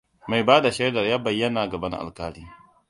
Mai bada shaidar ya bayyana gaban alkali.